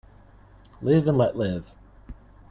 Live and let live.